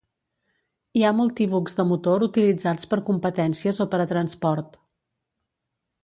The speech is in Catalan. Hi ha multibucs de motor utilitzats per competències o per a transport.